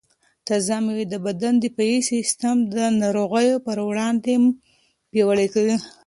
تازه مېوې د بدن دفاعي سیسټم د ناروغیو پر وړاندې پیاوړی کوي.